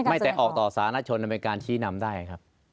ไม่แต่ออกต่อสาธารณชนมันเป็นการชี้นำได้ครับ